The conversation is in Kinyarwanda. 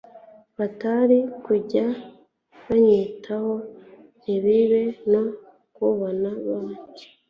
batari kujya banyitaho, ntibite no ku bana banjye